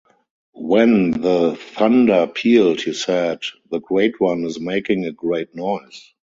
When the thunder pealed, he said "The Great One is making a great noise."